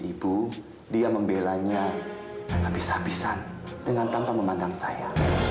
ibu dia membelanya habis habisan dengan tanpa memandang saya